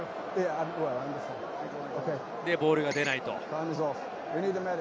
で、ボールが出ないと。